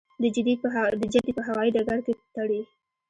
د جدې په هوايي ډګر کې تړي.